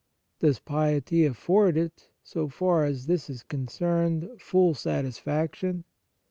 Does piety afford it, so far as this is concerned, full satisfac tion